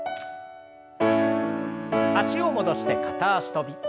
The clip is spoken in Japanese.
脚を戻して片脚跳び。